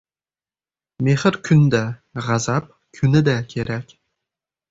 • Mehr kunda, g‘azab kunida kerak.